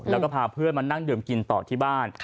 แล้วก็พาเพื่อนมานั่งดื่มกินต่อที่บ้าน